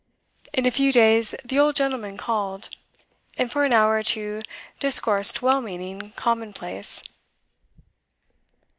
In a few days the old gentleman called, and for an hour or two discoursed well meaning commonplace.